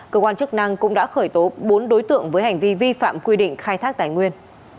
cơ quan chức năng cũng đã khởi tố bốn đối tượng với hành vi vi phạm quy định khai thác tài nguyên